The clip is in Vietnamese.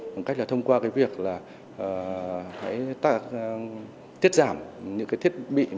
một cách thông qua việc tiết giảm những thiết bị